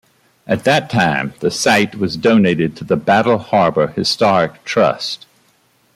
At that time the site was donated to the Battle Harbour Historic Trust.